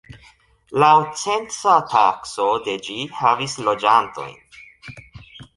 Laŭ censa takso de ĝi havis loĝantojn.